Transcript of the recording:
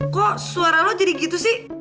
kok suara lo jadi gitu sih